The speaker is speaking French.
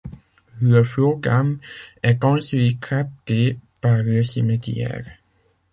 Le flot d'âmes est ensuite capté par le Cimetière.